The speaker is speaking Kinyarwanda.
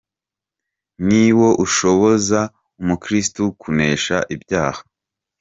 Ni wo ushoboza umukristu kunesha ibyaha.